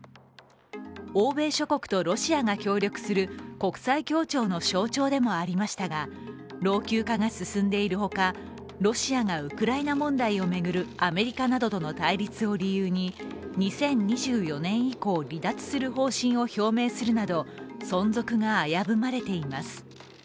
欧米諸国とロシアが協力する国際協調の象徴でもありましたが老朽化が進んでいるほかロシアがウクライナ問題を巡るアメリカなどとの対立を理由に２０２４年以降、離脱する方針を表明するなど存続が危ぶまれています。